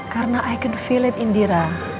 karena i can feel it indira